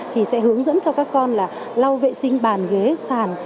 thì sẽ hướng dẫn cho các con là lau vệ sinh bàn ghế sàn